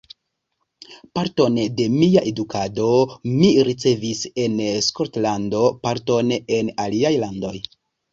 Parton de mia edukado mi ricevis en Skotlando, parton en aliaj landoj.